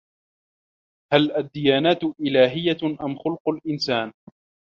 هل الديانات إلاهية أم خلق الإنسان؟